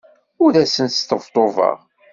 Ur asent-sṭebṭubeɣ.